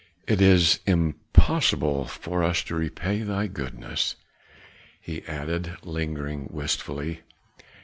"It is impossible for us to repay thee thy goodness," he added, lingering wistfully.